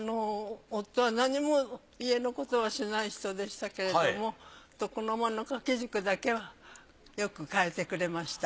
夫は何も家のことはしない人でしたけれども床の間の掛軸だけはよく変えてくれました。